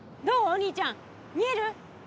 お兄ちゃん見える？